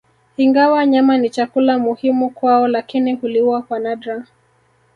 Ingawa nyama ni chakula muhimu kwao lakini huliwa kwa nadra